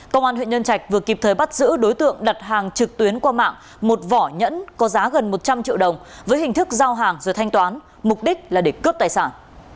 công an huyện nhân trạch vừa kịp thời bắt giữ đối tượng đặt hàng trực tuyến qua mạng một vỏ nhẫn có giá gần một trăm linh triệu đồng với hình thức giao hàng rồi thanh toán mục đích là để cướp tài sản